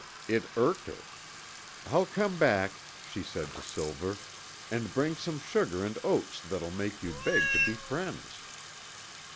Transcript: It irked her. "I'll come back," she said to Silver, "and bring some sugar and oats that'll make you beg to be friends."